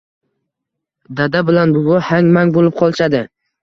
Doda bilan buvi hang mang bo’lib qolishadi..